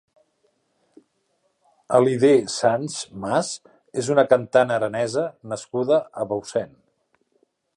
Alidé Sans Mas és una cantant aranesa nascuda a Bausen.